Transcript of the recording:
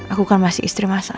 aku kan masih istri masak